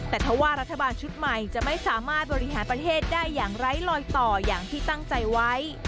แต่ถ้าว่ารัฐบาลชุดใหม่จะไม่สามารถบริหารประเทศได้อย่างไร้ลอยต่ออย่างที่ตั้งใจไว้